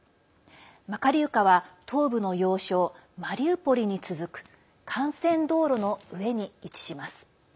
マカリウカは東部の要衝マリウポリに続く幹線道路の上に位置します。